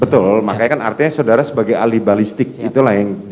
betul makanya kan artinya saudara sebagai ahli balistik itulah yang